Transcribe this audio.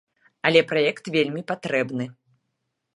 Але праект вельмі патрэбны!